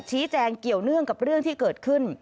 ชี้แจงเกี่ยวเนื่องกับเรื่องที่เกิดขึ้น